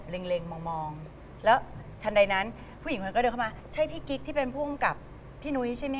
โดนข้อคอละหานะใครไม่เต้นกับฉันอ่ะ